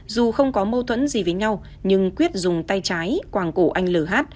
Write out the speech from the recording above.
dù không có mâu thuẫn gì với nhau nhưng quyết dùng tay trái quàng cổ anh lh